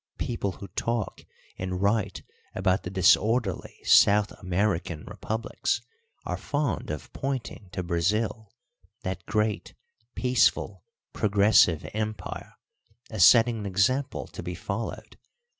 People who talk and write about the disorderly South American republics are fond of pointing to Brazil, that great, peaceful, progressive empire, as setting an example to be followed.